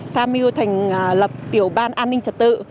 tham mưu thành lập tiểu ban an ninh trật tự